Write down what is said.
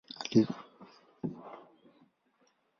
Alirudi Algeria miezi michache kabla ya uvamizi wa Kifaransa.